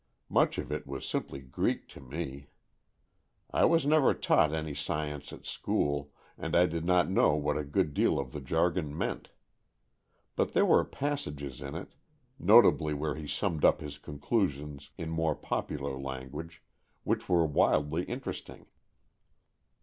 Much of it was simply Greek to me. I was never taught any Science at school, and I did not know what a good deal of the jar gon meant. But there were passages in it, notably where he summed up his conclusions in more popular language, which were wildly interesting.